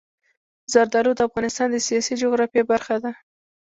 زردالو د افغانستان د سیاسي جغرافیه برخه ده.